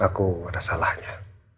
aku ada salahnya